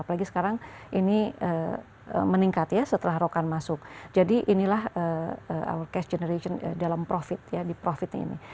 apalagi sekarang ini meningkat ya setelah rokan masuk jadi inilah ourcast generation dalam profit ya di profit ini